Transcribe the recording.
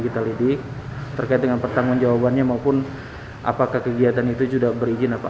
kita lidik terkait dengan pertanggung jawabannya maupun apakah kegiatan itu sudah berizin apa